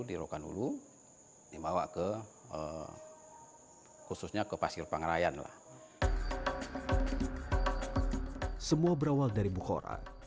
di rokan hulu dibawa ke khususnya ke pasir pangrayan lah semua berawal dari buku oranye